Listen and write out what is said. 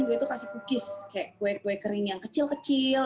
gue itu kasih cookies kayak kue kue kering yang kecil kecil